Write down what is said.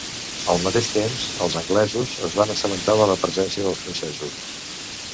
Al mateix temps, els anglesos es van assabentar de la presència dels francesos.